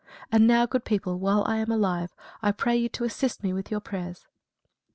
And now, good people, while I am alive, I pray you to assist me with your prayers."